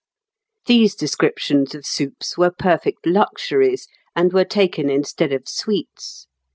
] These descriptions of soups were perfect luxuries, and were taken instead of sweets.